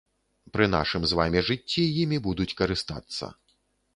Пры нашым з вамі жыцці імі будуць карыстацца.